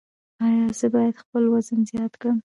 ایا زه باید خپل وزن زیات کړم؟